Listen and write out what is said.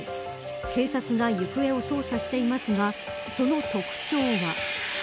警察が行方を捜査していますがその特徴は。